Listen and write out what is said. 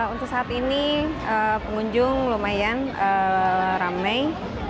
untuk saat ini pengunjung lumayan ramai